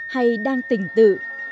hay đang tình tử